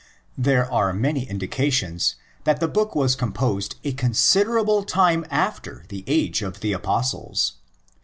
There are many indications that the, book was composed a considerable time after the age of the Apostles.